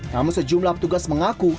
namun sejumlah petugas mengaku